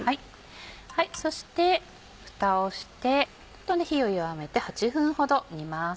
そしてふたをして火を弱めて８分ほど煮ます。